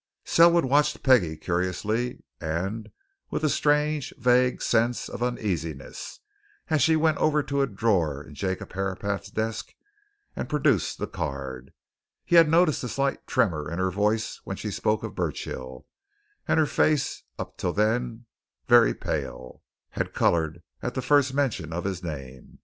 Selwood watched Peggie curiously, and with a strange, vague sense of uneasiness as she went over to a drawer in Jacob Herapath's desk and produced the card. He had noticed a slight tremor in her voice when she spoke of Burchill, and her face, up till then very pale, had coloured at the first mention of his name.